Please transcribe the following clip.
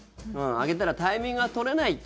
上げたらタイミングが取れないと。